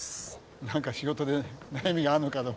なんか仕事で悩みがあるのかと。